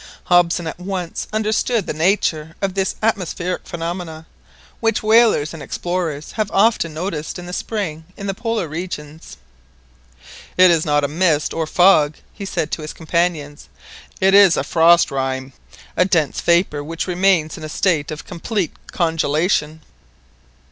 Hobson at once understood the nature of this atmospheric phenomenon, which whalers and explorers have often noticed in the spring in the Polar regions. "It is not a mist or fog," he said to his companions, "it is a 'frost rime', a dense vapour which remains in a state of complete congelation."